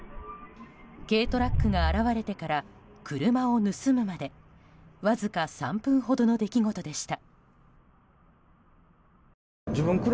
軽トラックが現れてから車を盗むまでわずか３分ほどの出来事でした。